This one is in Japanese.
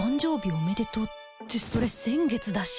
おめでとうってそれ先月だし